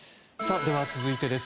では、続いてです。